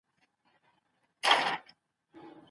ولي هڅاند سړی د لایق کس په پرتله بریا خپلوي؟